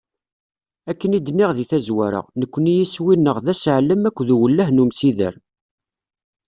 Akken i d-nniɣ di tazwara, nekni iswi-nneɣ d aseɛlem akked uwellah n umsider.